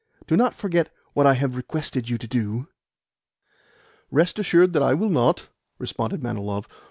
Do not forget what I have requested you to do." "Rest assured that I will not," responded Manilov.